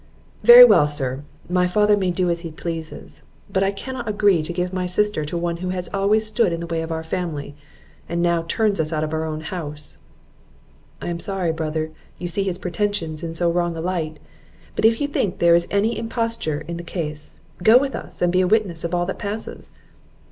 "Very well, sir; my father may do as he pleases; but I cannot agree to give my sister to one who has always stood in the way of our family, and now turns us out of our own house." "I am sorry, brother, you see his pretensions in so wrong a light; but if you think there is any imposture in the case, go with us, and be a witness of all that passes."